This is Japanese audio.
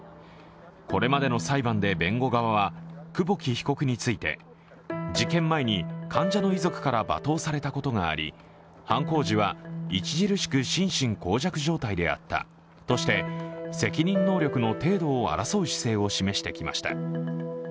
これまでの裁判で弁護側は久保木被告について事件前に患者の遺族から罵倒されたことがあり犯行時は著しく心神耗弱状態であったとして責任能力の程度を争う姿勢を示してきました。